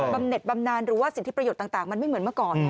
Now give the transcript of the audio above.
ำเน็ตบำนานหรือว่าสิทธิประโยชน์ต่างมันไม่เหมือนเมื่อก่อน